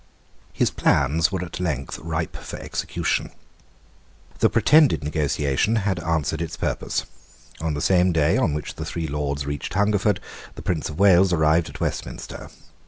His plans were at length ripe for execution. The pretended negotiation had answered its purpose. On the same day on which the three Lords reached Hungerford the Prince of Wales arrived at Westminster.